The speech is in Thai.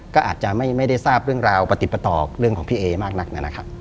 ก็อาจจะไม่ได้ทราบเรื่องราวปฏิปต่อเรื่องของพี่เอมากนักนะครับ